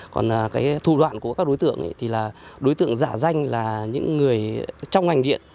còn cái thủ đoạn của các đối tượng thì là đối tượng giả danh là những người trong ngành điện